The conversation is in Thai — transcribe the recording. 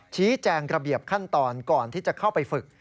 ชี้แจงระเบียบขั้นตอนก่อนที่จะเข้าไปฝึก